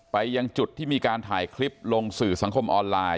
ยังจุดที่มีการถ่ายคลิปลงสื่อสังคมออนไลน์